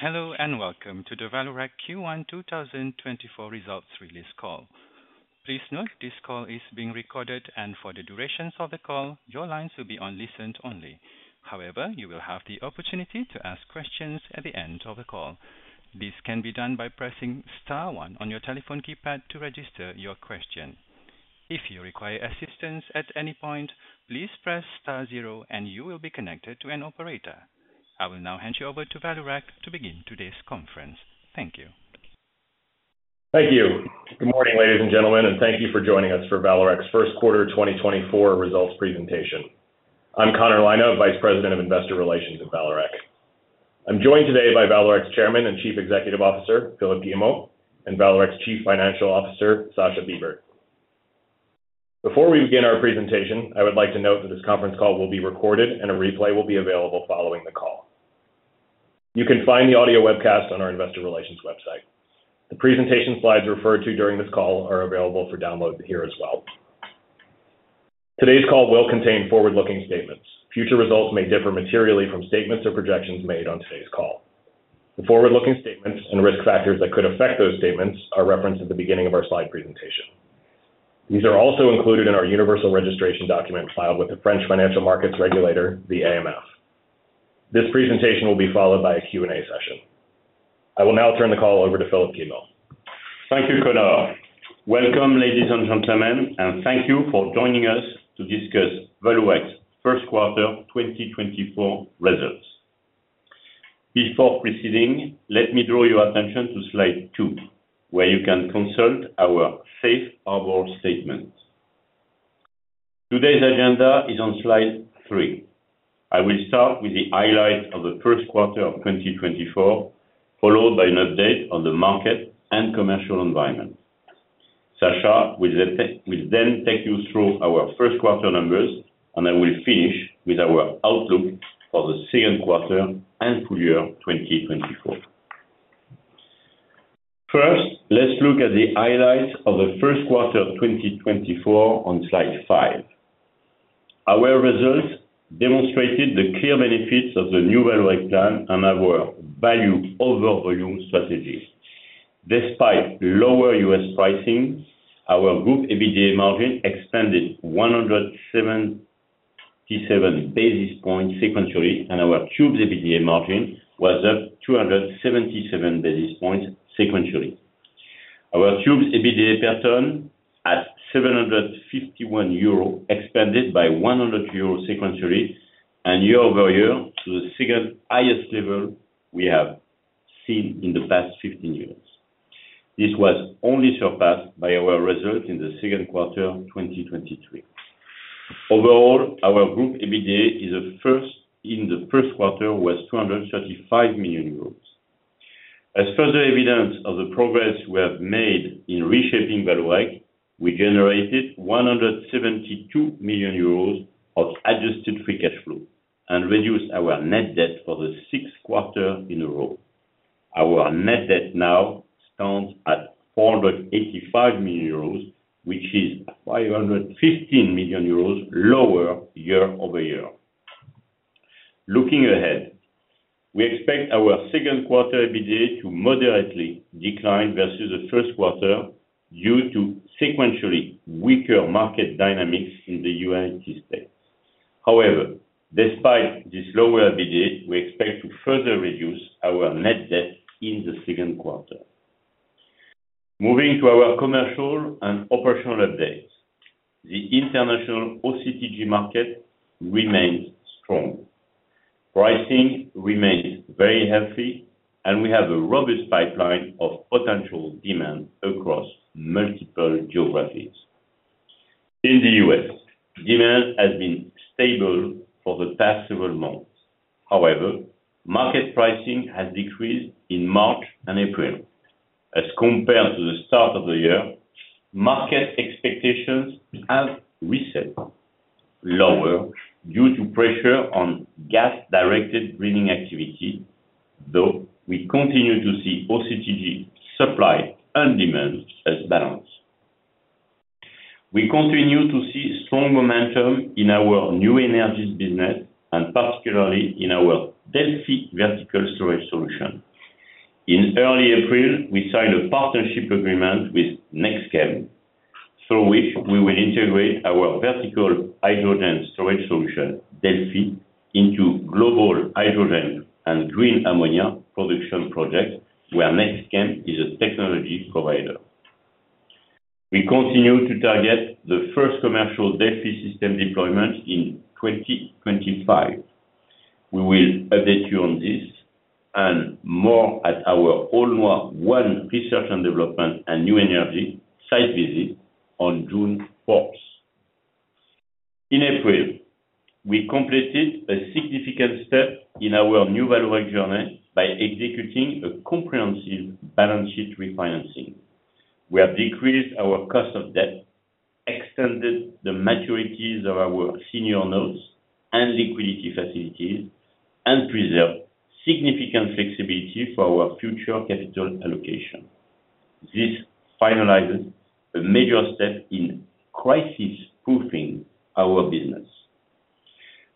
Hello, and welcome to the Vallourec Q1 2024 results release call. Please note this call is being recorded, and for the duration of the call, your lines will be on listen only. However, you will have the opportunity to ask questions at the end of the call. This can be done by pressing star one on your telephone keypad to register your question. If you require assistance at any point, please press star zero and you will be connected to an operator. I will now hand you over to Vallourec to begin today's conference. Thank you. Thank you. Good morning, ladies and gentlemen, and thank you for joining us for Vallourec's first quarter 2024 results presentation. I'm Connor Lynagh, Vice President of Investor Relations at Vallourec. I'm joined today by Vallourec's Chairman and Chief Executive Officer, Philippe Guillemot, and Vallourec's Chief Financial Officer, Sascha Bibert. Before we begin our presentation, I would like to note that this conference call will be recorded and a replay will be available following the call. You can find the audio webcast on our investor relations website. The presentation slides referred to during this call are available for download here as well. Today's call will contain forward-looking statements. Future results may differ materially from statements or projections made on today's call. The forward-looking statements and risk factors that could affect those statements are referenced at the beginning of our slide presentation. These are also included in our universal registration document filed with the French financial markets regulator, the AMF. This presentation will be followed by a Q&A session. I will now turn the call over to Philippe Guillemot. Thank you, Connor. Welcome, ladies and gentlemen, and thank you for joining us to discuss Vallourec's first quarter 2024 results. Before proceeding, let me draw your attention to slide two, where you can consult our safe harbor statement. Today's agenda is on slide three. I will start with the highlights of the first quarter of 2024, followed by an update on the market and commercial environment. Sascha will then take you through our first quarter numbers, and I will finish with our outlook for the second quarter and full year 2024. First, let's look at the highlights of the first quarter of 2024 on slide five. Our results demonstrated the clear benefits of the New Vallourec plan and our Value over Volume strategies. Despite lower US pricing, our group EBITDA margin expanded 177 basis points sequentially, and our Tubes EBITDA margin was up 277 basis points sequentially. Our Tubes EBITDA per ton, at 751 euro, expanded by 100 euro sequentially and year over year, to the second highest level we have seen in the past 15 years. This was only surpassed by our results in the second quarter of 2023. Overall, our group EBITDA is a first in the first quarter, was 235 million euros. As further evidence of the progress we have made in reshaping Vallourec, we generated 172 million euros of adjusted free cash flow and reduced our net debt for the sixth quarter in a row. Our net debt now stands at 485 million euros, which is 515 million euros lower year-over-year. Looking ahead, we expect our second quarter EBITDA to moderately decline versus the first quarter due to sequentially weaker market dynamics in the United States. However, despite this lower EBITDA, we expect to further reduce our net debt in the second quarter. Moving to our commercial and operational updates. The international OCTG market remains strong. Pricing remains very healthy, and we have a robust pipeline of potential demand across multiple geographies. In the U.S., demand has been stable for the past several months. However, market pricing has decreased in March and April. As compared to the start of the year, market expectations have reset lower due to pressure on gas-directed drilling activity, though we continue to see OCTG supply and demand as balanced. We continue to see strong momentum in our New Energies business and particularly in our Delphy vertical storage solution. In early April, we signed a partnership agreement with NextChem, through which we will integrate our vertical hydrogen storage solution, Delphy, into global hydrogen and green ammonia production projects, where NextChem is a technology provider. We continue to target the first commercial Delphy system deployment in 2025. We will update you on this and more at our Aulnoye-Aymeries research and development and new energy site visit on June fourth. In April, we completed a significant step in our new Vallourec journey by executing a comprehensive balance sheet refinancing. We have decreased our cost of debt, extended the maturities of our senior notes and liquidity facilities, and preserved significant flexibility for our future capital allocation. This finalizes a major step in crisis-proofing our business.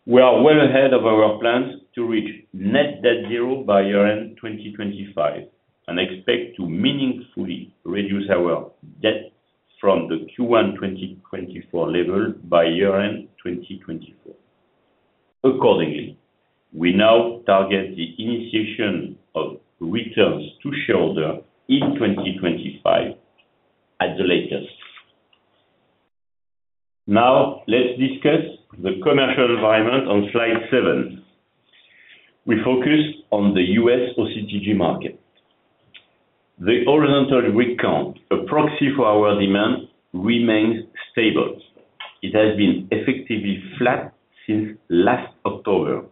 We are well ahead of our plans to reach net debt zero by year-end 2025, and expect to meaningfully reduce our debt from the Q1 2024 level by year-end 2024. Accordingly, we now target the initiation of returns to shareholder in 2025 at the latest. Now, let's discuss the commercial environment on slide 7. We focus on the U.S. OCTG market. The horizontal rig count, a proxy for our demand, remains stable. It has been effectively flat since last October.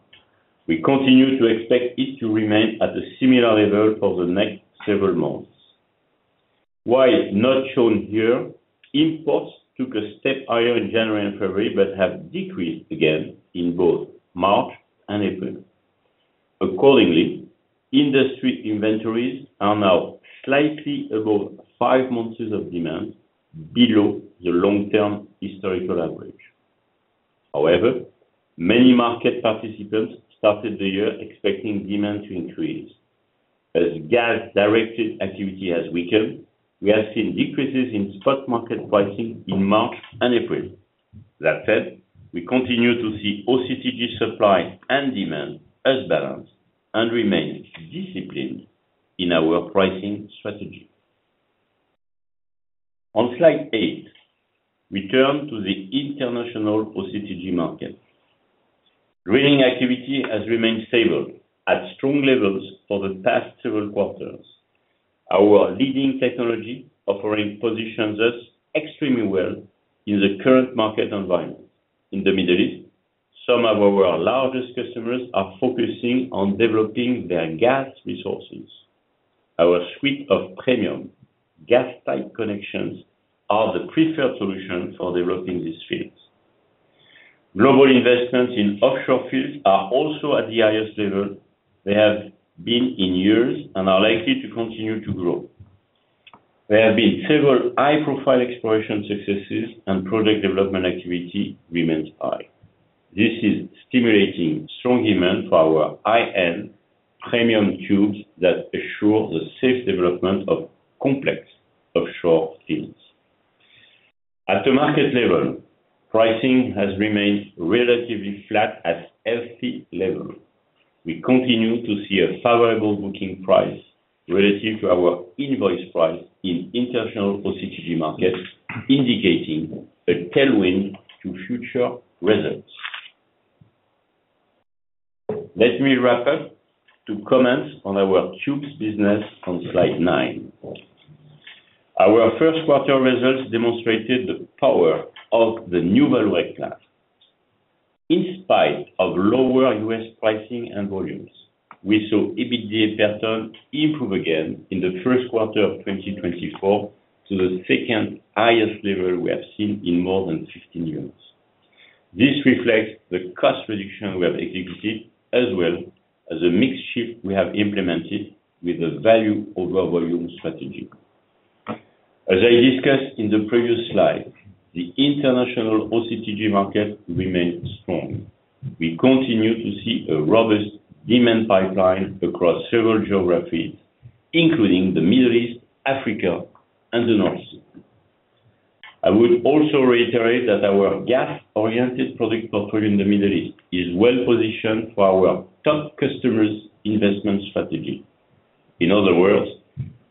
We continue to expect it to remain at a similar level for the next several months. While not shown here, imports took a step higher in January and February, but have decreased again in both March and April. Accordingly, industry inventories are now slightly above five months of demand, below the long-term historical average. However, many market participants started the year expecting demand to increase. As gas-directed activity has weakened, we have seen decreases in stock market pricing in March and April. That said, we continue to see OCTG supply and demand as balanced, and remain disciplined in our pricing strategy. On slide eight, we turn to the international OCTG market. Drilling activity has remained stable at strong levels for the past several quarters. Our leading technology offering positions us extremely well in the current market environment. In the Middle East, some of our largest customers are focusing on developing their gas resources. Our suite of premium gas pipe connections are the preferred solution for developing these fields. Global investments in offshore fields are also at the highest level they have been in years, and are likely to continue to grow. There have been several high-profile exploration successes, and project development activity remains high. This is stimulating strong demand for our high-end premium tubes that assure the safe development of complex offshore fields. At the market level, pricing has remained relatively flat at healthy level. We continue to see a favorable booking price relative to our invoice price in international OCTG markets, indicating a tailwind to future results. Let me wrap up to comment on our tubes business on slide nine. Our first quarter results demonstrated the power of the New Vallourec plan. In spite of lower U.S. pricing and volumes, we saw EBITDA per ton improve again in the first quarter of 2024 to the second highest level we have seen in more than 15 years. This reflects the cost reduction we have executed, as well as a mixed shift we have implemented with the Value over Volume strategy. As I discussed in the previous slide, the international OCTG market remains strong. We continue to see a robust demand pipeline across several geographies, including the Middle East, Africa, and the North Sea. I would also reiterate that our gas-oriented product portfolio in the Middle East is well-positioned for our top customers' investment strategy. In other words,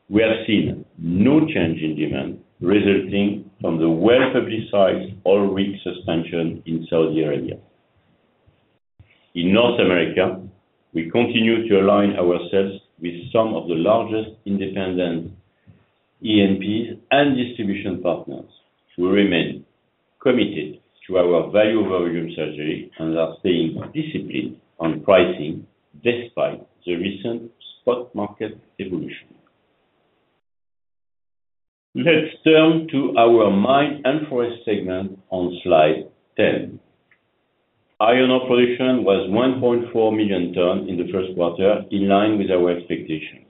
we have seen no change in demand resulting from the well-publicized oil rig suspension in Saudi Arabia. In North America, we continue to align ourselves with some of the largest independent E&Ps and distribution partners to remain committed to our Value over Volume strategy, and are staying disciplined on pricing despite the recent spot market evolution. Let's turn to our Mine & Forests segment on slide 10. Iron ore production was 1.4 million tons in the first quarter, in line with our expectations.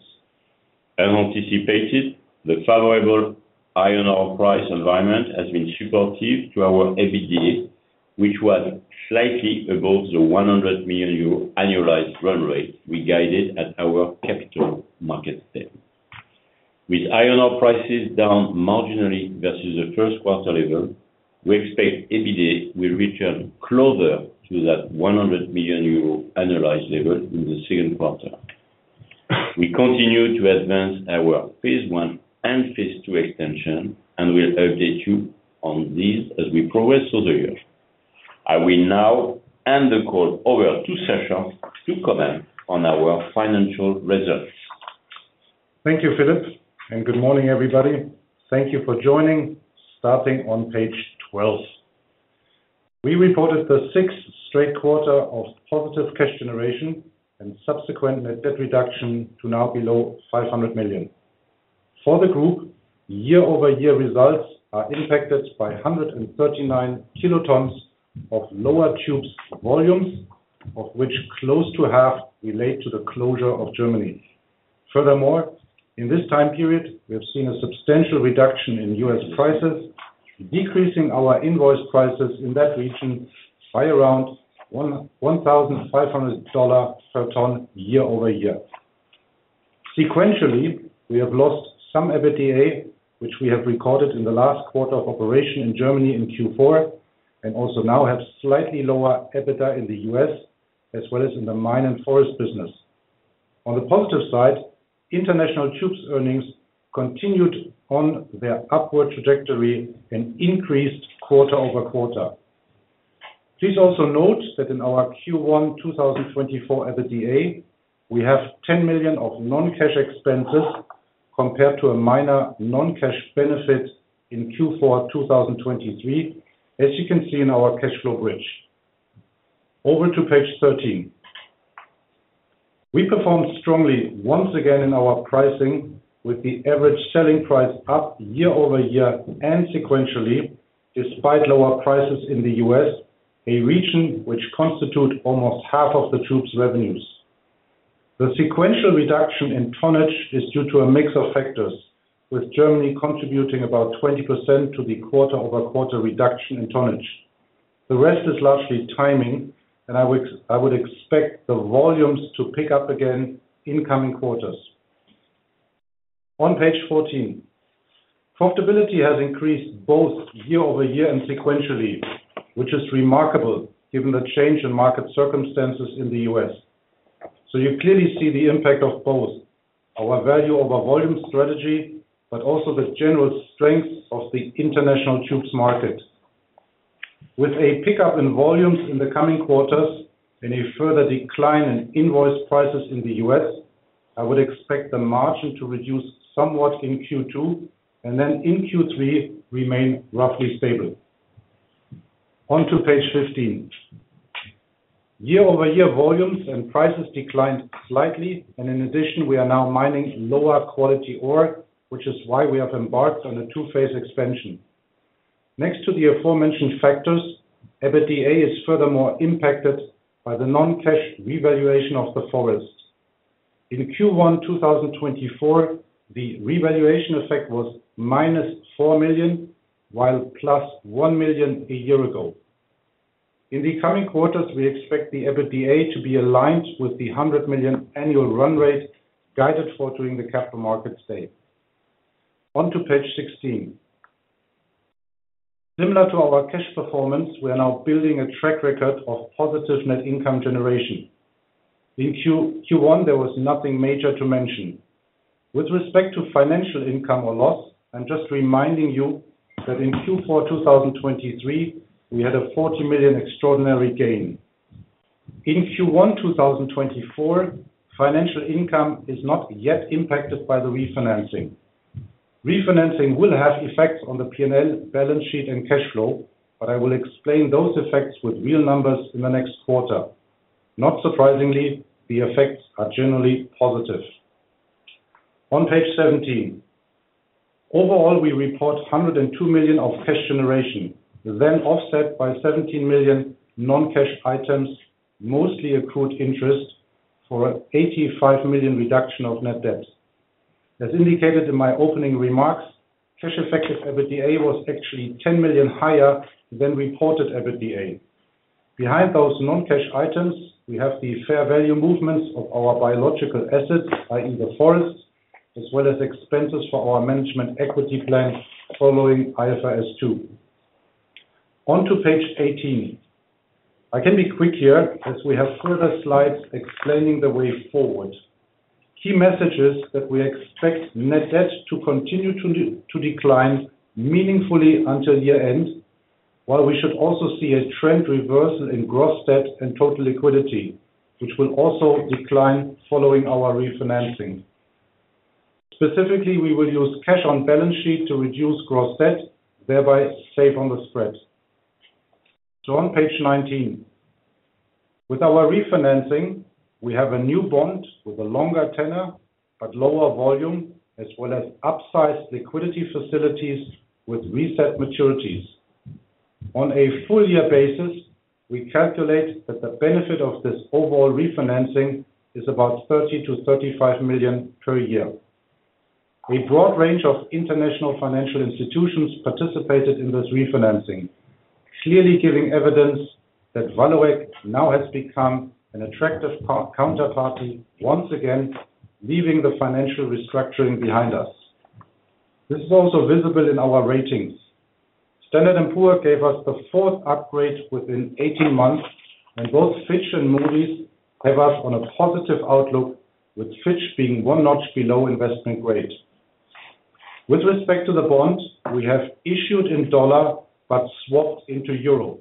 As anticipated, the favorable iron ore price environment has been supportive to our EBITDA, which was slightly above the 100 million euro annualized run rate we guided at our capital market step. With iron ore prices down marginally versus the first quarter level, we expect EBITDA will return closer to that 100 million euro annualized level in the second quarter. We continue to advance our phase one and phase two extension, and we'll update you on these as we progress through the year. I will now hand the call over to Sascha to comment on our financial results. Thank you, Philippe, and good morning, everybody. Thank you for joining. Starting on page 12, we reported the sixth straight quarter of positive cash generation and subsequent net debt reduction to now below 500 million. For the group, year-over-year results are impacted by 139 kilotons of lower tubes volumes, of which close to half relate to the closure of Germany. Furthermore, in this time period, we have seen a substantial reduction in US prices, decreasing our invoice prices in that region by around $1,500 per ton, year-over-year. Sequentially, we have lost some EBITDA, which we have recorded in the last quarter of operation in Germany in Q4, and also now have slightly lower EBITDA in the US, as well as in the mine and forest business. On the positive side, international tubes earnings continued on their upward trajectory and increased quarter-over-quarter. Please also note that in our Q1 2024 EBITDA, we have 10 million of non-cash expenses compared to a minor non-cash benefit in Q4 2023, as you can see in our cash flow bridge. Over to page 13. We performed strongly once again in our pricing, with the average selling price up year-over-year and sequentially, despite lower prices in the U.S., a region which constitutes almost half of the tubes' revenues. The sequential reduction in tonnage is due to a mix of factors, with Germany contributing about 20% to the quarter-over-quarter reduction in tonnage. The rest is largely timing, and I would expect the volumes to pick up again in coming quarters. On page 14. Profitability has increased both year-over-year and sequentially, which is remarkable given the change in market circumstances in the U.S. So you clearly see the impact of both our Value over Volume strategy, but also the general strength of the international tubes market. With a pickup in volumes in the coming quarters and a further decline in invoice prices in the U.S., I would expect the margin to reduce somewhat in Q2, and then in Q3, remain roughly stable. On to page 15. Year-over-year, volumes and prices declined slightly, and in addition, we are now mining lower quality ore, which is why we have embarked on a two-phase expansion. Next to the aforementioned factors, EBITDA is furthermore impacted by the non-cash revaluation of the forest. In Q1 2024, the revaluation effect was -4 million, while 1 million a year ago. In the coming quarters, we expect the EBITDA to be aligned with the 100 million annual run rate guided for during the capital market stage. On to page 16. Similar to our cash performance, we are now building a track record of positive net income generation. In Q1, there was nothing major to mention. With respect to financial income or loss, I'm just reminding you that in Q4 2023, we had a 40 million extraordinary gain. In Q1 2024, financial income is not yet impacted by the refinancing. Refinancing will have effects on the P&L balance sheet and cash flow, but I will explain those effects with real numbers in the next quarter. Not surprisingly, the effects are generally positive. On page 17. Overall, we report 102 million of cash generation, then offset by 17 million non-cash items, mostly accrued interest for an 85 million reduction of net debt. As indicated in my opening remarks, cash effective EBITDA was actually 10 million higher than reported EBITDA. Behind those non-cash items, we have the fair value movements of our biological assets, i.e., the forest, as well as expenses for our management equity plan following IFRS 2. On to page 18. I can be quick here, as we have further slides explaining the way forward. Key message is that we expect net debt to continue to decline meaningfully until year end, while we should also see a trend reversal in gross debt and total liquidity, which will also decline following our refinancing. Specifically, we will use cash on balance sheet to reduce gross debt, thereby save on the spread. On page 19. With our refinancing, we have a new bond with a longer tenor but lower volume, as well as upsized liquidity facilities with reset maturities. On a full year basis, we calculate that the benefit of this overall refinancing is about 30-35 million per year. A broad range of international financial institutions participated in this refinancing, clearly giving evidence that Vallourec now has become an attractive counterparty, once again, leaving the financial restructuring behind us. This is also visible in our ratings. Standard & Poor's gave us the fourth upgrade within 18 months, and both Fitch and Moody's have us on a positive outlook, with Fitch being one notch below investment grade. With respect to the bonds, we have issued in dollars, but swapped into euros.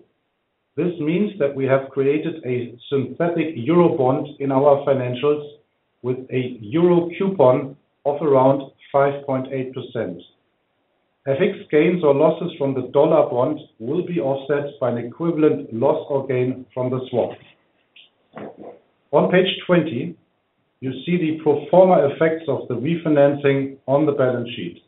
This means that we have created a synthetic euro bond in our financials with a euro coupon of around 5.8%. FX gains or losses from the dollar bonds will be offset by an equivalent loss or gain from the swap. On page 20, you see the pro forma effects of the refinancing on the balance sheet.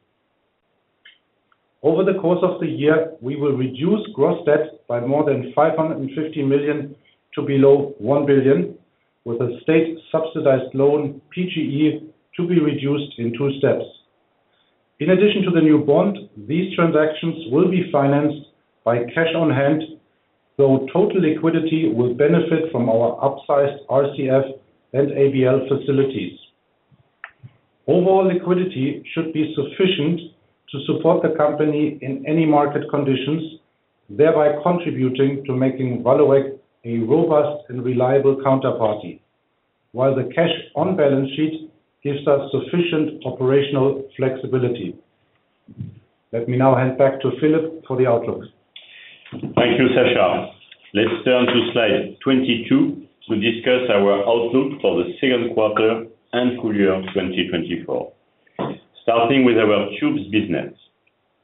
Over the course of the year, we will reduce gross debt by more than 550 million to below 1 billion, with a state-subsidized loan, PGE, to be reduced in two steps. In addition to the new bond, these transactions will be financed by cash on hand, so total liquidity will benefit from our upsized RCF and ABL facilities. Overall liquidity should be sufficient to support the company in any market conditions, thereby contributing to making Vallourec a robust and reliable counterparty, while the cash on balance sheet gives us sufficient operational flexibility. Let me now hand back to Philippe for the outlook. Thank you, Sascha. Let's turn to slide 22 to discuss our outlook for the second quarter and full year of 2024. Starting with our tubes business.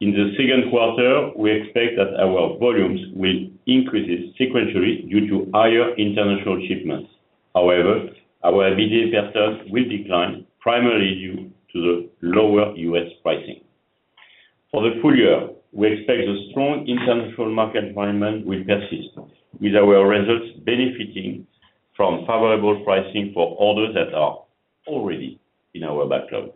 In the second quarter, we expect that our volumes will increase sequentially due to higher international shipments. However, our EBITDA results will decline primarily due to the lower U.S. pricing. For the full year, we expect the strong international market environment will persist, with our results benefiting from favorable pricing for orders that are already in our backlog.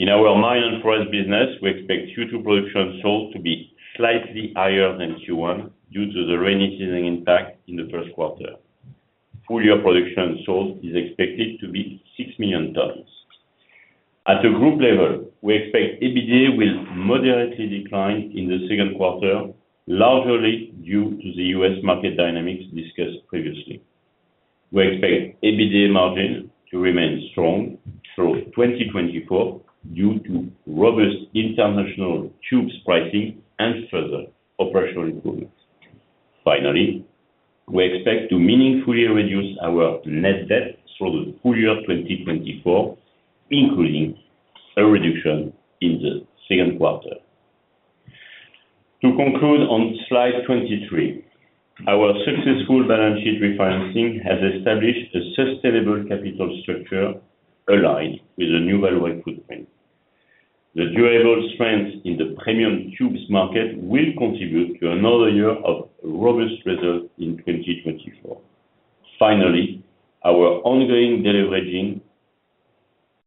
In our mine and forest business, we expect Q2 production sold to be slightly higher than Q1 due to the rainy season impact in the first quarter. Full year production sold is expected to be 6 million tons. At the group level, we expect EBITDA will moderately decline in the second quarter, largely due to the U.S. market dynamics discussed previously. We expect EBITDA margin to remain strong through 2024 due to robust international tubes pricing and further operational improvements. Finally, we expect to meaningfully reduce our net debt through the full year of 2024, including a reduction in the second quarter. To conclude on slide 23, our successful balance sheet refinancing has established a sustainable capital structure aligned with the new Vallourec footprint. The durable strength in the premium tubes market will contribute to another year of robust results in 2024. Finally, our ongoing deleveraging,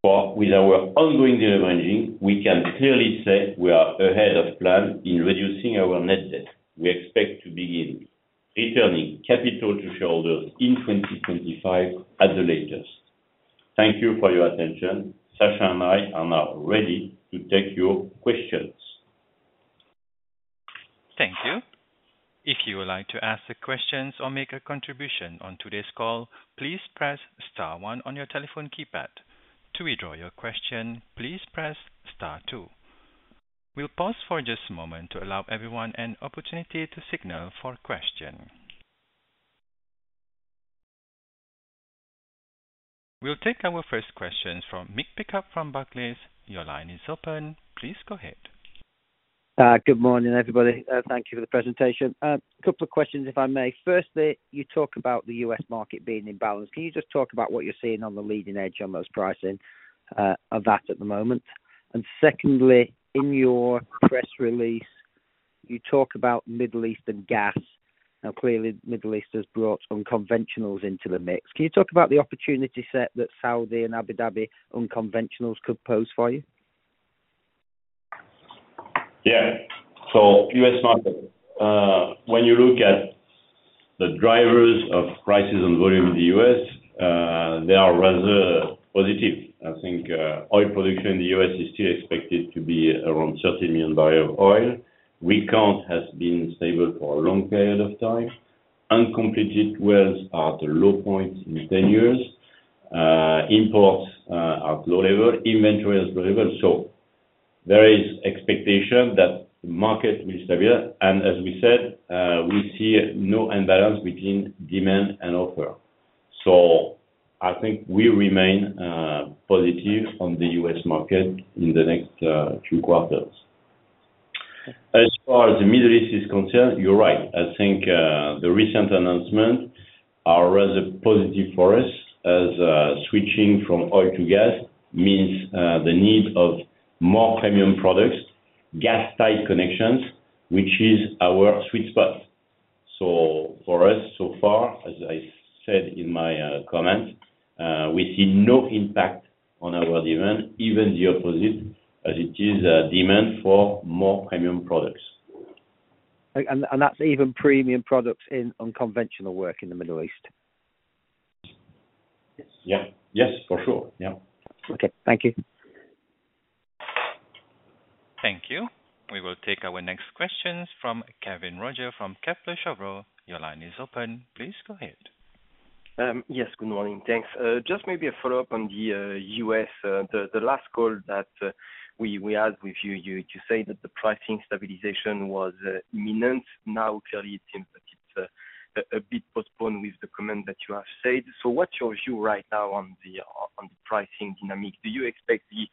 or with our ongoing deleveraging, we can clearly say we are ahead of plan in reducing our net debt. We expect to begin returning capital to shareholders in 2025 at the latest. Thank you for your attention. Sascha and I are now ready to take your questions. Thank you. If you would like to ask a question or make a contribution on today's call, please press star one on your telephone keypad. To withdraw your question, please press star two. We'll pause for just a moment to allow everyone an opportunity to signal for a question. We'll take our first questions from Mick Pickup from Barclays. Your line is open. Please go ahead. Good morning, everybody. Thank you for the presentation. A couple of questions, if I may. Firstly, you talk about the U.S. market being in balance. Can you just talk about what you're seeing on the leading edge on those pricing of that at the moment? And secondly, in your press release, you talk about Middle Eastern gas. Now, clearly, Middle East has brought unconventionals into the mix. Can you talk about the opportunity set that Saudi and Abu Dhabi unconventionals could pose for you? Yeah. So U.S. market, when you look at the drivers of prices and volume in the U.S., they are rather positive. I think, oil production in the U.S. is still expected to be around 30 million barrels of oil. Rig count has been stable for a long period of time. Uncompleted wells are at a low point in 10 years. Imports are low level, inventory is low level. So there is expectation that the market will stabilize. And as we said, we see no imbalance between demand and offer. So I think we remain positive on the U.S. market in the next 2 quarters. As far as the Middle East is concerned, you're right. I think, the recent announcement are rather positive for us, as, switching from oil to gas means, the need of more premium products, gas-type connections, which is our sweet spot. So for us, so far, as I said in my, comment, we see no impact on our demand, even the opposite, as it is a demand for more premium products. And that's even premium products in unconventional work in the Middle East? Yes. Yeah. Yes, for sure. Yeah. Okay. Thank you. Thank you. We will take our next questions from Kevin Roger from Kepler Cheuvreux. Your line is open. Please go ahead. Yes, good morning. Thanks. Just maybe a follow-up on the U.S. The last call that we had with you, you said that the pricing stabilization was imminent. Now, clearly it seems that it's a bit postponed with the comment that you have said. So what's your view right now on the pricing dynamic? Do you expect the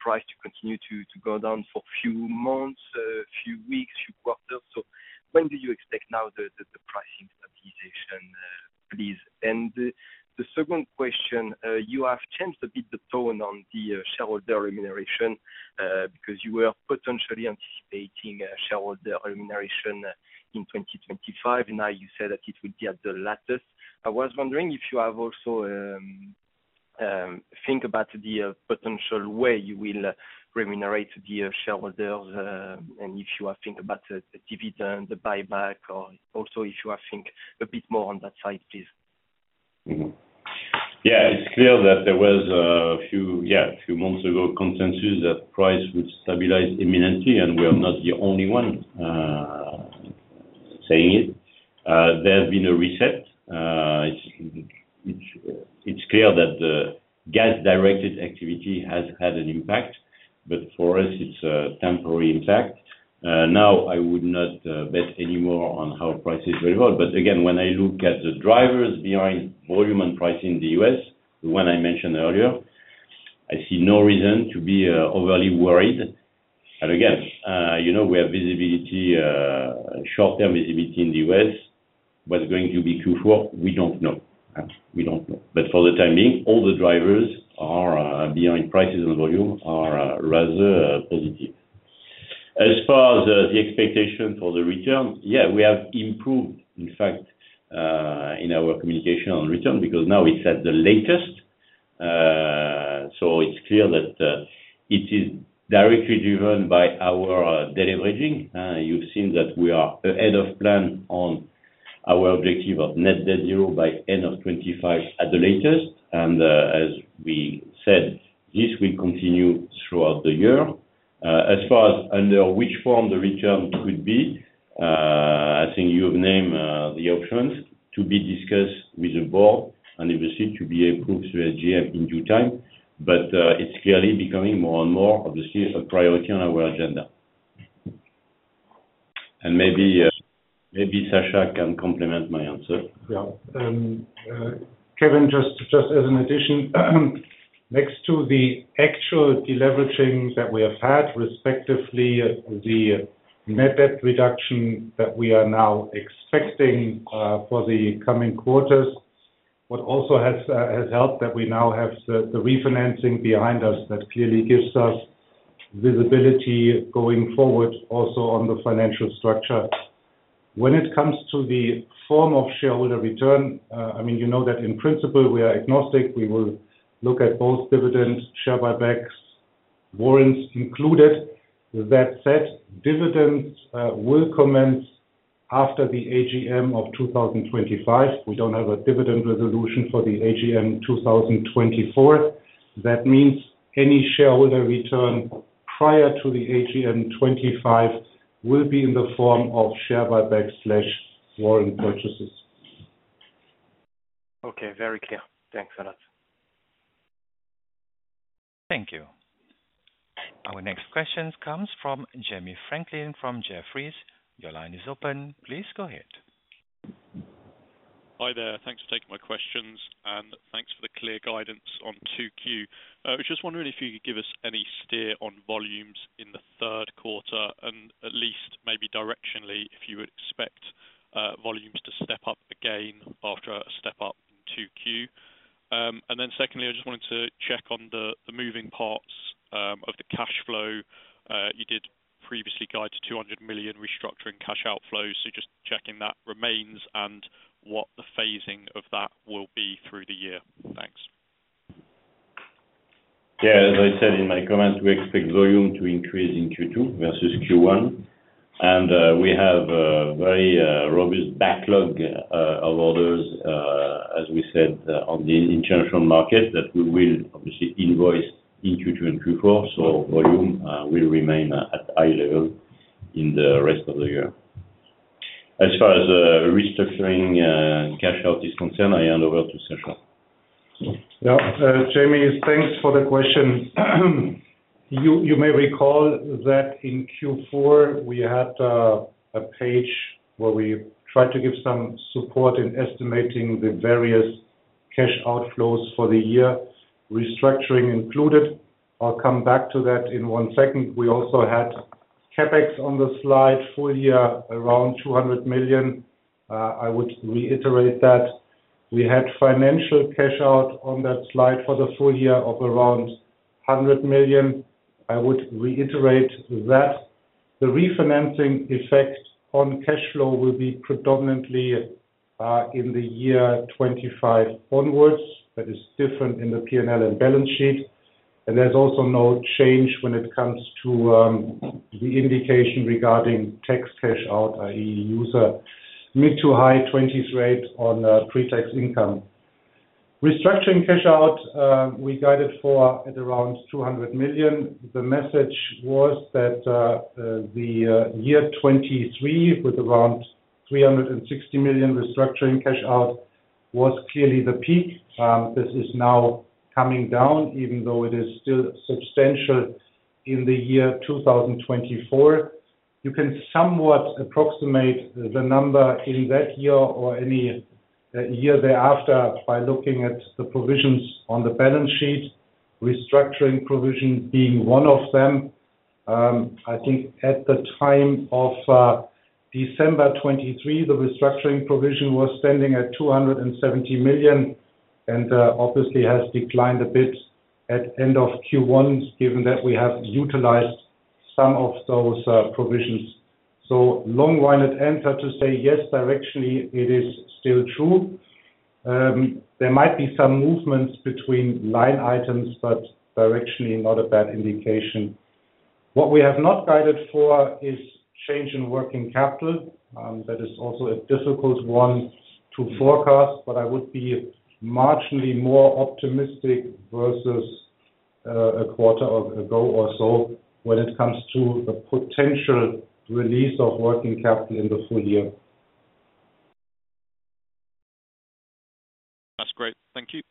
price to continue to go down for few months, few weeks, few-... When do you expect now the pricing stabilization, please? And the second question, you have changed a bit the tone on the shareholder remuneration, because you were potentially anticipating a shareholder remuneration in 2025, now you said that it would be at the latest. I was wondering if you have also think about the potential way you will remunerate the shareholders, and if you are think about the dividend, the buyback, or also if you are think a bit more on that side, please. Mm-hmm. Yeah, it's clear that there was a few, yeah, a few months ago, consensus that price would stabilize imminently, and we are not the only one saying it. There has been a reset. It's clear that the gas-directed activity has had an impact, but for us, it's a temporary impact. Now I would not bet anymore on how prices will evolve. But again, when I look at the drivers behind volume and pricing in the U.S., the one I mentioned earlier, I see no reason to be overly worried. And again, you know, we have visibility, short-term visibility in the U.S. What's going to be Q4? We don't know. We don't know. But for the time being, all the drivers are behind prices and volume are rather positive. As far as the expectation for the return, yeah, we have improved, in fact, in our communication on return, because now it's at the latest. So it's clear that it is directly driven by our deleveraging. You've seen that we are ahead of plan on our objective of net debt zero by end of 2025 at the latest, and as we said, this will continue throughout the year. As far as under which form the return could be, I think you have named the options to be discussed with the board, and it will seek to be approved through AGM in due time. But it's clearly becoming more and more obviously a priority on our agenda. And maybe Sascha can complement my answer. Yeah. Kevin, just as an addition, next to the actual deleveraging that we have had, respectively, the net debt reduction that we are now expecting for the coming quarters. What also has helped, that we now have the refinancing behind us, that clearly gives us visibility going forward, also on the financial structure. When it comes to the form of shareholder return, I mean, you know that in principle, we are agnostic. We will look at both dividends, share buybacks, warrants included. That said, dividends will commence after the AGM of 2025. We don't have a dividend resolution for the AGM 2024. That means any shareholder return prior to the AGM 2025 will be in the form of share buyback slash warrant purchases. Okay, very clear. Thanks a lot. Thank you. Our next question comes from Jamie Franklin, from Jefferies. Your line is open. Please go ahead. Hi, there. Thanks for taking my questions, and thanks for the clear guidance on 2Q. I was just wondering if you could give us any steer on volumes in the third quarter, and at least maybe directionally, if you would expect volumes to step up again after a step up in 2Q. And then secondly, I just wanted to check on the moving parts of the cash flow. You did previously guide to 200 million restructuring cash outflows, so just checking that remains and what the phasing of that will be through the year. Thanks. Yeah, as I said in my comments, we expect volume to increase in Q2 versus Q1, and we have a very robust backlog of orders, as we said, on the international market, that we will obviously invoice in Q2 and Q4. So volume will remain at high level in the rest of the year. As far as restructuring cash out is concerned, I hand over to Sascha. Yeah. Jamie, thanks for the question. You may recall that in Q4, we had a page where we tried to give some support in estimating the various cash outflows for the year, restructuring included. I'll come back to that in one second. We also had CapEx on the slide, full year, around 200 million. I would reiterate that. We had financial cash out on that slide for the full year of around 100 million. I would reiterate that the refinancing effect on cash flow will be predominantly in the year 2025 onwards. That is different in the P&L and balance sheet. There's also no change when it comes to the indication regarding tax cash out, i.e., use a mid- to high-20s rate on pre-tax income. Restructuring cash out, we guided for at around 200 million. The message was that the year 2023, with around 360 million restructuring cash out, was clearly the peak. This is now coming down, even though it is still substantial in the year 2024. You can somewhat approximate the number in that year or any year thereafter by looking at the provisions on the balance sheet... restructuring provision being one of them. I think at the time of December 2023, the restructuring provision was standing at 270 million, and obviously has declined a bit at end of Q1, given that we have utilized some of those provisions. So long-winded answer to say, yes, directionally, it is still true. There might be some movements between line items, but directionally, not a bad indication. What we have not guided for is change in working capital. That is also a difficult one to forecast, but I would be marginally more optimistic versus a quarter ago or so when it comes to the potential release of working capital in the full year. That's great. Thank you.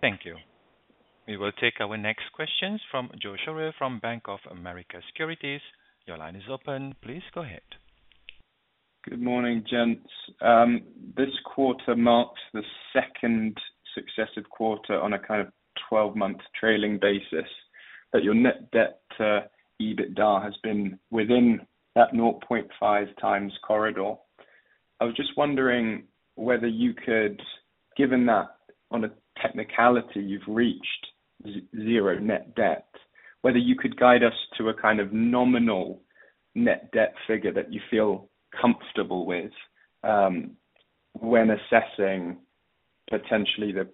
Thank you. We will take our next questions from Yoann Chary from Bank of America Securities. Your line is open. Please go ahead. Good morning, gents. This quarter marks the second successive quarter on a kind of 12-month trailing basis, that your net debt to EBITDA has been within that 0.5 times corridor. I was just wondering whether you could, given that on a technicality, you've reached zero net debt, whether you could guide us to a kind of nominal net debt figure that you feel comfortable with, when assessing potentially the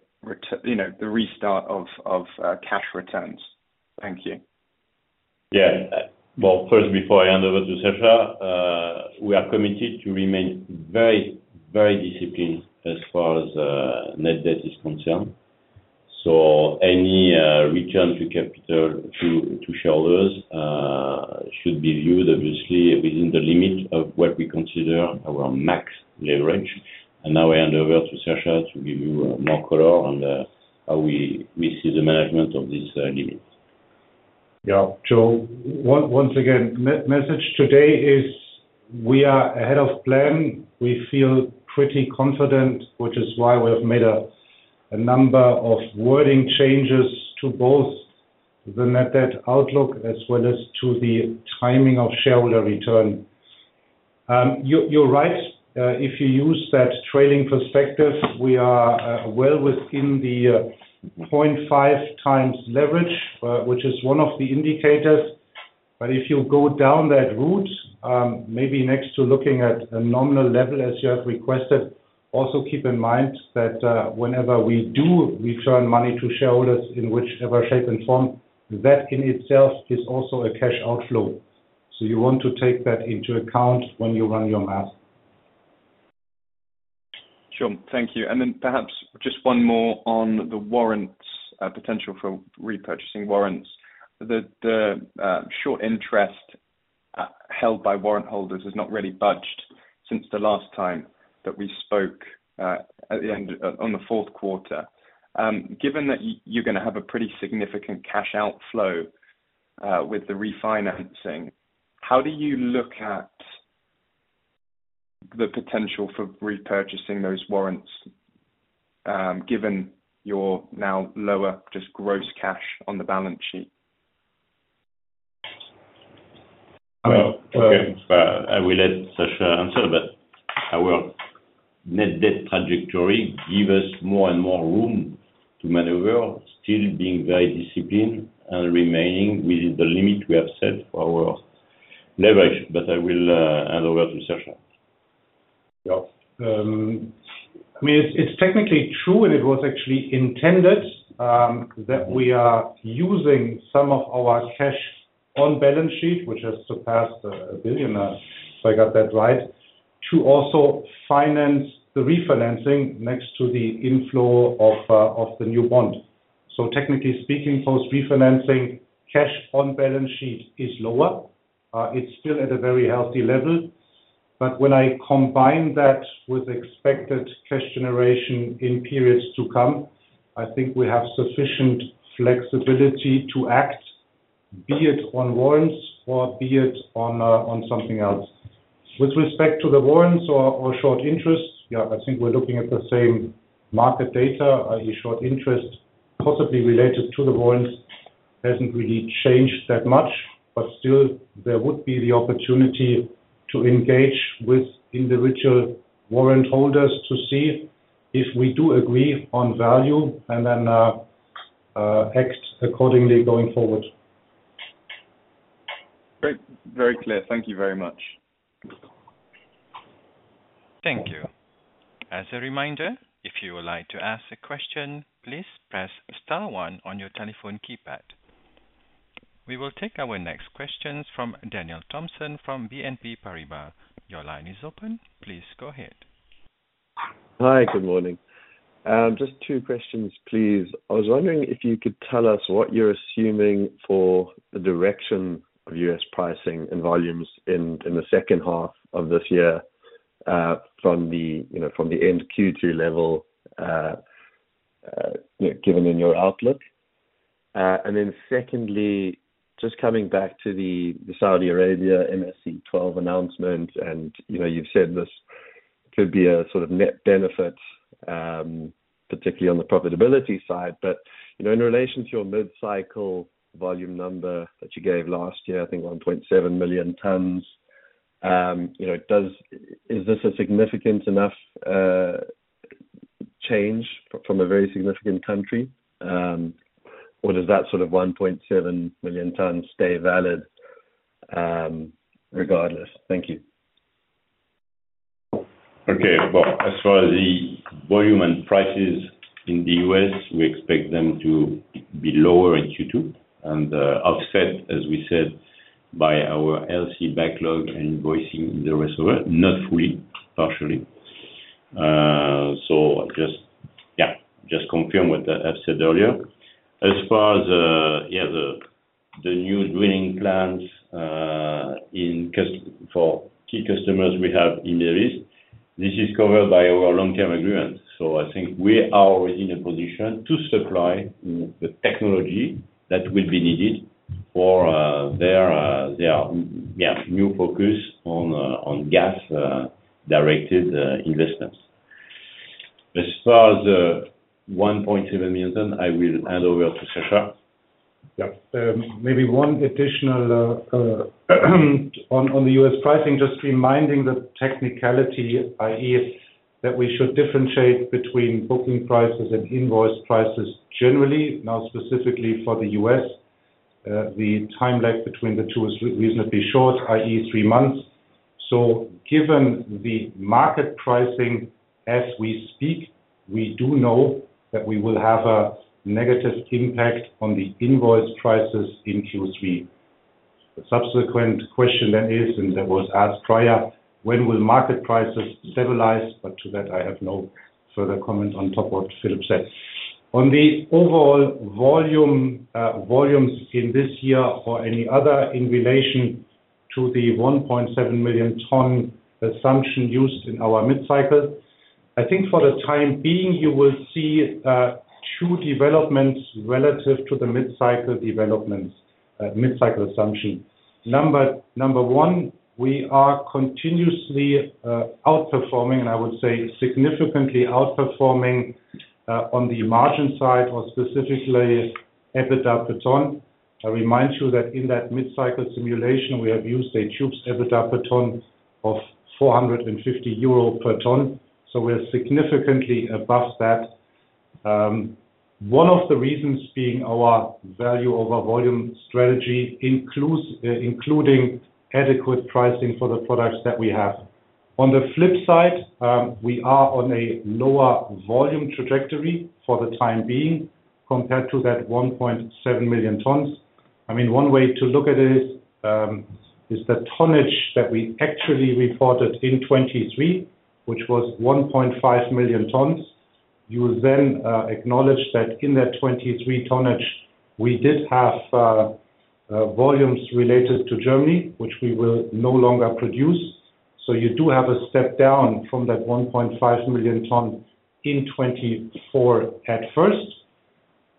restart of, of, cash returns. Thank you. Yeah. Well, first, before I hand over to Sascha, we are committed to remain very, very disciplined as far as net debt is concerned. So any return to capital to shareholders should be viewed obviously within the limit of what we consider our max leverage. And now I hand over to Sascha to give you more color on how we see the management of these limits. Yeah. So once again, message today is we are ahead of plan. We feel pretty confident, which is why we have made a number of wording changes to both the net debt outlook as well as to the timing of shareholder return. You're right, if you use that trailing perspective, we are well within the 0.5 times leverage, which is one of the indicators. But if you go down that route, maybe next to looking at a nominal level, as you have requested, also keep in mind that whenever we do return money to shareholders in whichever shape and form, that in itself is also a cash outflow. So you want to take that into account when you run your math. Sure. Thank you. And then perhaps just one more on the warrants, potential for repurchasing warrants. The short interest held by warrant holders has not really budged since the last time that we spoke at the end of on the fourth quarter. Given that you're gonna have a pretty significant cash outflow with the refinancing, how do you look at the potential for repurchasing those warrants, given your now lower just gross cash on the balance sheet? Well, okay, I will let Sascha answer, but our net debt trajectory give us more and more room to maneuver, still being very disciplined and remaining within the limit we have set for our leverage. But I will hand over to Sascha. Yeah. I mean, it's technically true, and it was actually intended that we are using some of our cash on balance sheet, which has surpassed 1 billion, if I got that right, to also finance the refinancing next to the inflow of the new bond. So technically speaking, post-refinancing, cash on balance sheet is lower. It's still at a very healthy level, but when I combine that with expected cash generation in periods to come, I think we have sufficient flexibility to act, be it on warrants or be it on something else. With respect to the warrants or short interests, yeah, I think we're looking at the same market data. The short interest, possibly related to the warrants, hasn't really changed that much, but still there would be the opportunity to engage with individual warrant holders to see if we do agree on value and then act accordingly going forward. Great. Very clear. Thank you very much. Thank you. As a reminder, if you would like to ask a question, please press star one on your telephone keypad. We will take our next questions from Daniel Thompson, from BNP Paribas. Your line is open. Please go ahead. Hi, good morning. Just two questions, please. I was wondering if you could tell us what you're assuming for the direction of US pricing and volumes in the second half of this year from the, you know, from the end Q2 level, you know, given in your outlook? And then secondly, just coming back to the Saudi Arabia MSC 12 announcement, and, you know, you've said this could be a sort of net benefit, particularly on the profitability side. But, you know, in relation to your mid-cycle volume number that you gave last year, I think 1.7 million tons, you know, is this a significant enough change from a very significant country? Or does that sort of 1.7 million tons stay valid, regardless? Thank you. Okay. Well, as far as the volume and prices in the US, we expect them to be lower in Q2, and, offset, as we said, by our LC backlog, invoicing the rest of it, not fully, partially. So just, yeah, just confirm what I, I've said earlier. As far as, yeah, the, the new drilling plans, in for key customers we have in the Middle East, this is covered by our long-term agreement. So I think we are already in a position to supply the technology that will be needed for, their, their, yeah, new focus on, on gas, directed, investments. As far as the 1.7 million ton, I will hand over to Sascha. Yeah. Maybe one additional on the U.S. pricing, just reminding the technicality, i.e., that we should differentiate between booking prices and invoice prices generally, not specifically for the U.S. The time lag between the two is reasonably short, i.e., three months. So given the market pricing as we speak, we do know that we will have a negative impact on the invoice prices in Q3. The subsequent question then is, and that was asked prior, when will market prices stabilize? But to that, I have no further comment on top what Philippe said. On the overall volume, volumes in this year or any other in relation to the 1.7 million ton assumption used in our mid-cycle, I think for the time being, you will see two developments relative to the mid-cycle developments, mid-cycle assumption. Number one, we are continuously outperforming, and I would say significantly outperforming on the margin side or specifically, EBITDA per ton. I remind you that in that mid-cycle simulation, we have used a tubes EBITDA per ton of 450 euro per ton, so we're significantly above that. One of the reasons being our Value over Volume strategy including adequate pricing for the products that we have. On the flip side, we are on a lower volume trajectory for the time being, compared to that 1.7 million tons. I mean, one way to look at it is the tonnage that we actually reported in 2023, which was 1.5 million tons. You will then acknowledge that in that 2023 tonnage, we did have volumes related to Germany, which we will no longer produce. So you do have a step down from that 1.5 million ton in 2024 at first.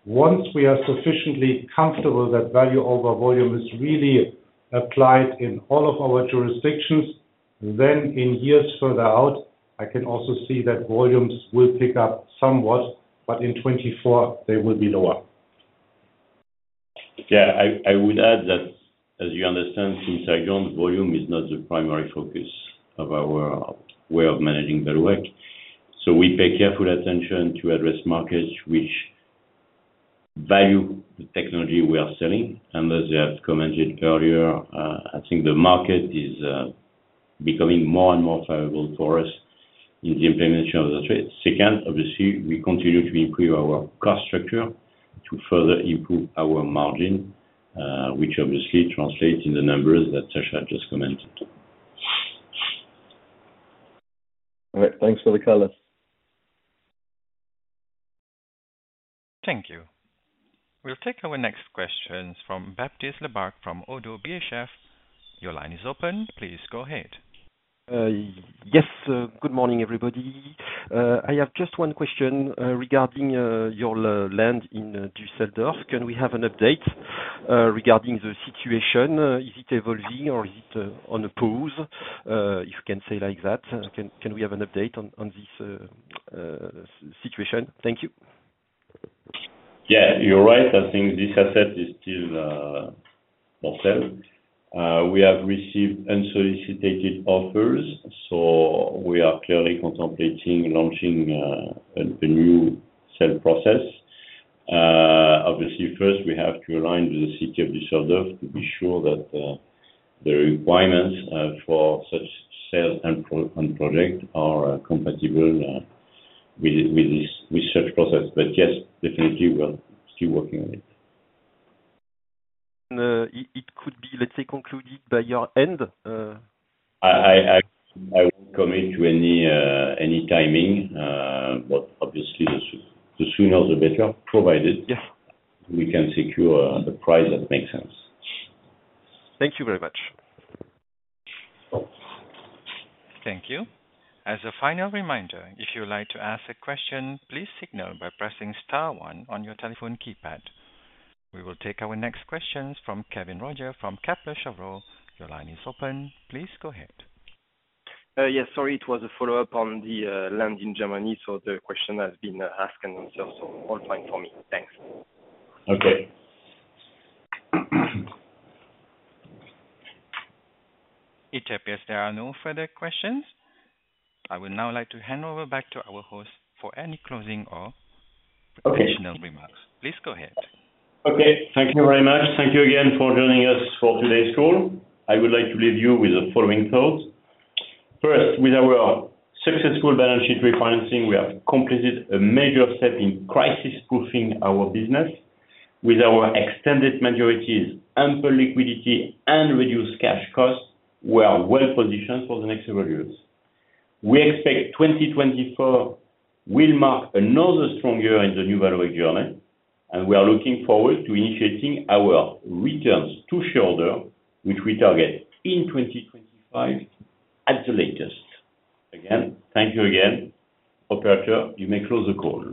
Once we are sufficiently comfortable that Value over Volume is really applied in all of our jurisdictions, then in years further out, I can also see that volumes will pick up somewhat, but in 2024 they will be lower. Yeah, I would add that, as you understand, since I joined, volume is not the primary focus of our way of managing Vallourec. So we pay careful attention to address markets which value the technology we are selling. And as I have commented earlier, I think the market is becoming more and more favorable for us in the implementation of the trade. Second, obviously, we continue to improve our cost structure to further improve our margin, which obviously translates in the numbers that Sascha just commented. All right. Thanks for the color. Thank you. We'll take our next questions from Baptiste Lebacq from ODDO BHF. Your line is open. Please go ahead. Yes, good morning, everybody. I have just one question regarding your land in Düsseldorf. Can we have an update regarding the situation? Is it evolving or is it on a pause? If you can say like that, can we have an update on this situation? Thank you. Yeah, you're right. I think this asset is still for sale. We have received unsolicited offers, so we are clearly contemplating launching a new sale process. Obviously, first, we have to align with the city of Düsseldorf to be sure that the requirements for such sales process and project are compatible with such process. But yes, definitely, we're still working on it. It could be, let's say, concluded by your end. I won't commit to any timing, but obviously, the sooner, the better, provided- Yeah... we can secure the price that makes sense. Thank you very much. Thank you. As a final reminder, if you would like to ask a question, please signal by pressing star one on your telephone keypad. We will take our next questions from Kevin Roger from Kepler Cheuvreux. Your line is open. Please go ahead. Yes, sorry. It was a follow-up on the land in Germany, so the question has been asked and answered, so all fine for me. Thanks. Okay. It appears there are no further questions. I would now like to hand over back to our host for any closing or- Okay Additional remarks. Please go ahead. Okay. Thank you very much. Thank you again for joining us for today's call. I would like to leave you with the following thoughts. First, with our successful balance sheet refinancing, we have completed a major step in crisis-proofing our business. With our extended maturities, ample liquidity, and reduced cash costs, we are well positioned for the next several years. We expect 2024 will mark another strong year in the new Vallourec journey, and we are looking forward to initiating our returns to shareholder, which we target in 2025 at the latest. Again, thank you again. Operator, you may close the call.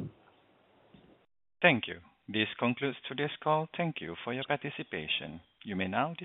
Thank you. This concludes today's call. Thank you for your participation. You may now disconnect.